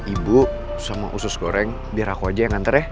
ibu semua usus goreng biar aku aja yang nganter ya